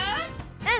うん！